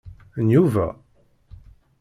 N Yuba?